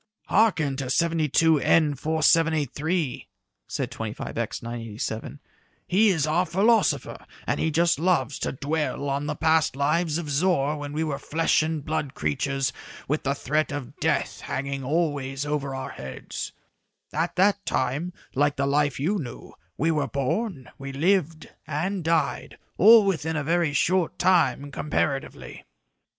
"Hearken to 72N 4783," said 25X 987, "he is our philosopher, and he just loves to dwell on the past life of Zor when we were flesh and blood creatures with the threat of death hanging always over our heads. At that time, like the life you knew, we were born, we lived and died, all within a very short time, comparatively."